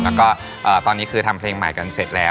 แฮมดูแหละ